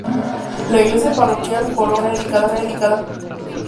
La iglesia parroquial, románica, está dedicada a San Julián.